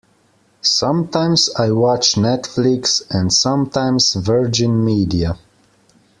Sometimes I watch Netflix, and sometimes Virgin Media.